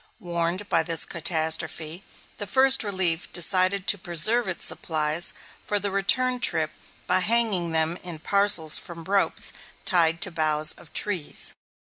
Warned by this catastrophe, the First Relief decided to preserve its supplies for the return trip by hanging them in parcels from ropes tied to the boughs of trees.